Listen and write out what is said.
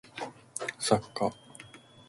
作家